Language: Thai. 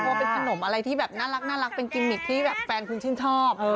ว่าเป็นขนมอะไรที่แบบน่ารักเป็นกิมมิกที่แบบแฟนคุณชื่นชอบ